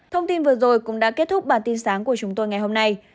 thông tin vừa rồi cũng đã kết thúc bản tin sáng của chúng tôi ngày hôm nay